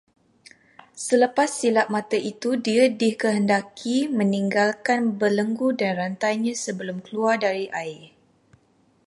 Selepas silap mata itu dia dikehendaki menanggalkan belenggu dan rantainya sebelum keluar dari air